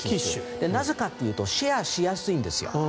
なぜかというとシェアしやすいんです。